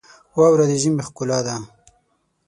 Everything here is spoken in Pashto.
واوره د ژمي ښکلا ده.